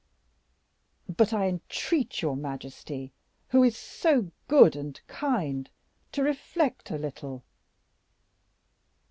"But I entreat your majesty, who is so good and kind, to reflect a little."